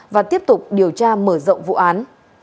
và tiếp tục điều tra mở rộng vụ án